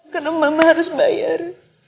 karena mama harus bayar